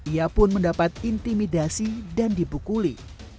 ia pun mendapat intimidasi dan dibukuli